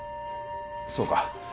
そうか。